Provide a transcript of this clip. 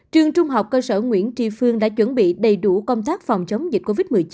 trường trung học cơ sở nguyễn tri phương đã chuẩn bị đầy đủ công tác phòng chống dịch covid một mươi chín